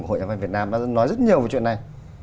hội nhà văn việt nam đã nói rất nhiều về chuyện này